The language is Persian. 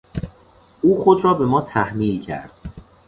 او خود را به ما تحمیل کرد.